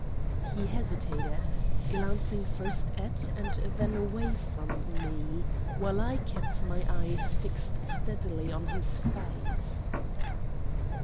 He hesitated, glancing first at and then away from me, while I kept my eyes fixed steadily on his face.